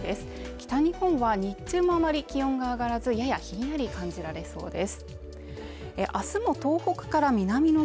北日本は日中もあまり気温が上がらずややひんやり感じられそうです。